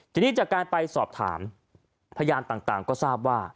ทีนี้จากการไปสอบถามพยานต่างก็ทราบว่า